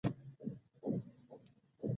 پړانګ د خپل ښکار لپاره صبر کوي.